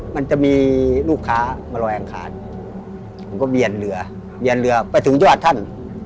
มันจะมีลูกค้ามาลอยอังคารผมก็เบียนเรือเบียนเรือไปถึงยอดท่าน